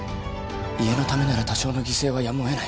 家のためなら多少の犠牲はやむを得ない。